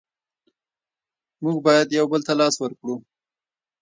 مونږ باید یو بل ته لاس ورکړو.